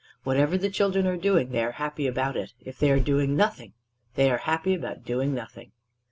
Whatever the children are doing, they are happy about it; if they are doing nothing, they are happy about doing nothing.